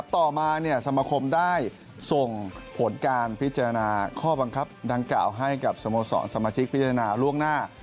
ต่อมาสมคมได้ส่งผลการพิจารณาข้อบังคับดังกล่าวให้กับสโมสรสมาชิกพิจารณาล่วงหน้า